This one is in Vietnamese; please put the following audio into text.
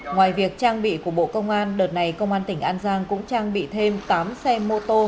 ngoài việc trang bị của bộ công an đợt này công an tỉnh an giang cũng trang bị thêm tám xe mô tô